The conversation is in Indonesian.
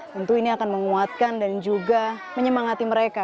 tentu ini akan menguatkan dan juga menyemangati mereka